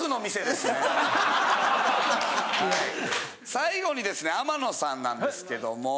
最後にですね天野さんなんですけども。